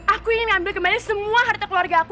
aku ingin ngambil kembali semua harta keluarga aku